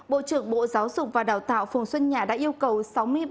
bộ trưởng bộ giáo dục và đào tạo phùng xuân nhã đã yêu cầu